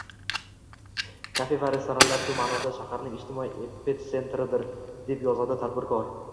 Kafe va restoranlar shu maʼnoda shaharning ijtimoiy epitsentridir, deb yozadi tadbirkor.